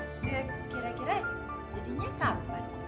kira kira jadinya kapan